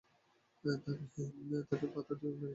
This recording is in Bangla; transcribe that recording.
আমি তাকে পাথর দিয়ে মেরেছিলাম।